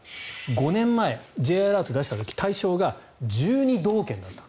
５年前、Ｊアラート出した時対象が１２道県だった。